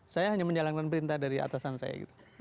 saya hanya menjalankan perintah dari atasan saya gitu